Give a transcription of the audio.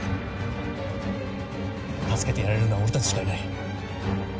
助けてやれるのは俺たちしかいない。